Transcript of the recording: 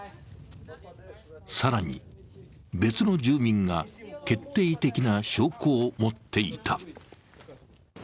更に、別の住民が決定的な証拠を持っていた。